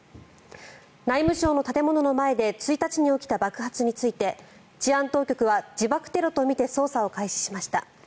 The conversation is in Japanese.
内務省の建物の前で１日に起きた爆発について治安当局は自爆テロとみて捜査を開始しました。